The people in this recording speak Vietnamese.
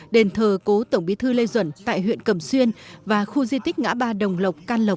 đền thờ cố tổng bí thư lê duẩn tại huyện cầm xuyên và khu di tích ngã ba đồng lộc can lộc